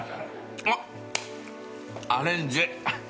あっアレンジ。